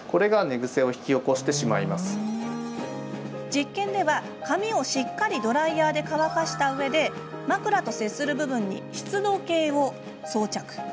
実験では髪をしっかりドライヤーで乾かしたうえで枕と接する部分に湿度計を装着。